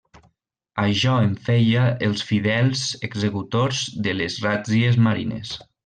Això en feia els fidels executors de les ràtzies marines.